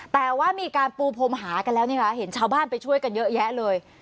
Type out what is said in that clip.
แต่ว่ามีการปูพรมหากันแล้วเนี่ยค่ะเห็นชาวบ้านไปช่วยกันเยอะแยะเลย